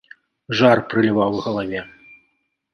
Жар прыліваў к галаве.